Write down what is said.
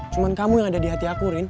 cuma kamu yang ada di hati aku rin